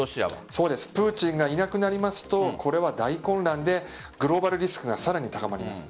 プーチンがいなくなりますとこれは大混乱でグローバルリスクがさらに高まります。